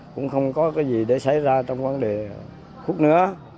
cũng không có cái gì để xảy ra trong vấn đề hút nữa